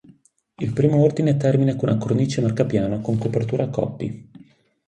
Il primo ordine termina con una cornice marcapiano con copertura a coppi.